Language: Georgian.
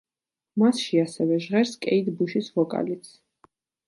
მასში ასევე ჟღერს კეიტ ბუშის ვოკალიც.